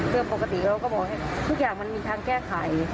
เรื่องปกติเราก็บอกว่าทุกอย่างมันมีทางแก้ไข